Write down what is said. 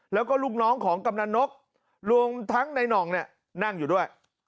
แล้วก็ลูกน้องของกำนันนกรวมทั้งในหน่องเนี่ยนั่งอยู่ด้วย